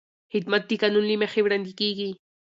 خدمت د قانون له مخې وړاندې کېږي.